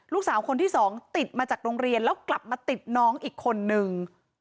ลูกสาวคนที่สองติดมาจากโรงเรียนแล้วกลับมาติดน้องอีกคนนึง